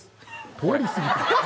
通り過ぎた。